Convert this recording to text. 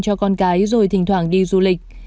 cho con cái rồi thỉnh thoảng đi du lịch